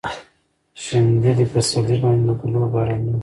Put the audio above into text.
شیندلي پسرلي باندې د ګلو بارانونه